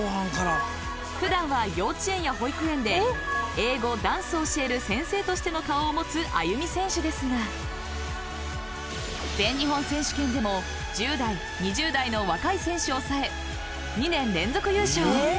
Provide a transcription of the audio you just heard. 普段は幼稚園や保育園で英語、ダンスを教える先生としての顔をもつあゆみ選手ですが全日本選手権でも１０代、２０代の若い選手を抑え２年連続優勝。